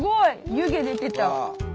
湯気出てた！